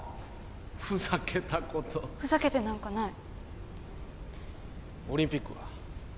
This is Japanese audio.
ふざけたことをふざけてなんかないオリンピックは？